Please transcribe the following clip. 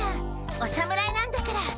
お侍なんだから。